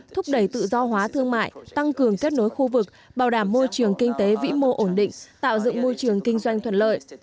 thúc đẩy tự do hóa thương mại tăng cường kết nối khu vực bảo đảm môi trường kinh tế vĩ mô ổn định tạo dựng môi trường kinh doanh thuận lợi